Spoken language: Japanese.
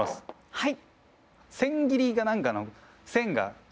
はい。